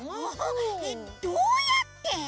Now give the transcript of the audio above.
えっどうやって！？